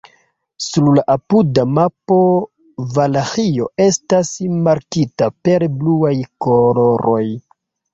Sur la apuda mapo Valaĥio estas markita per bluaj koloroj.